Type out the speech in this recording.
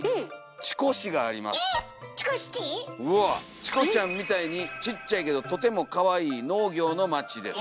「チコちゃんみたいにちっちゃいけどとてもかわいい農業の町です」。